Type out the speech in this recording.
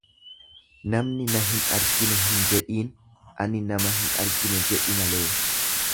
Namni na hin argine hin jedhiin ani nama hin argine jedhi malee.